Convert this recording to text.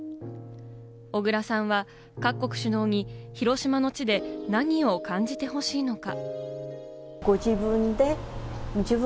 小倉さんは各国首脳に広島の地で何を感じてほしいのか？